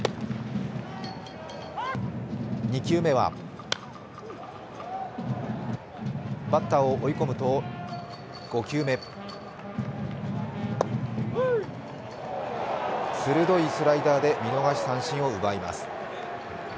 ２球目はバッターを追い込むと、５球目鋭いスライダーで見逃し三振を奪います。